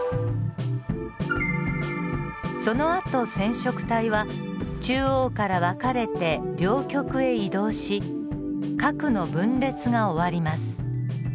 そのあと染色体は中央から分かれて両極へ移動し核の分裂が終わります。